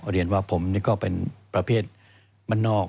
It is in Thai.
เรียนว่าผมเป็นประเภทมันนอก